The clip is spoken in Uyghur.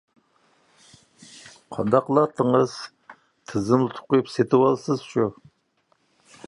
قانداق قىلاتتىڭىز؟ تىزىملىتىپ قويۇپ سېتىۋالىسىز شۇ.